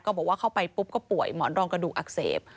บอกว่าเข้าไปปุ๊บก็ป่วยหมอนรองกระดูกอักเสบ